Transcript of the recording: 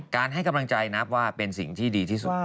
ให้กำลังใจนับว่าเป็นสิ่งที่ดีที่สุด